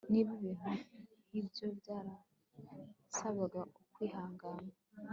niba ibintu nk'ibyo byarasabaga ukwihangana